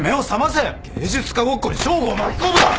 芸術家ごっこに匠吾を巻き込むな！